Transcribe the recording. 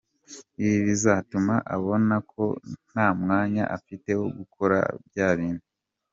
Ibi bizatuma abonako ntamwanya afite wo gukora byabindi.